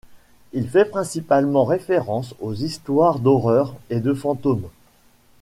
Il fait principalement référence aux histoires d'horreur et de fantômes.